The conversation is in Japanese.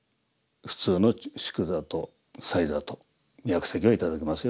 普通の粥座と斎座と薬石は頂けますよ。